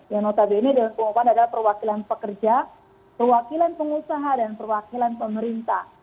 yang notabene dalam pengumuman adalah perwakilan pekerja perwakilan pengusaha dan perwakilan pemerintah